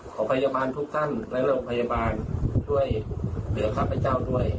ขอพยาบาลทุกท่านและโรงพยาบาลช่วยเหลือข้าพเจ้าด้วย